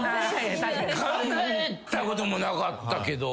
考えたこともなかったけど。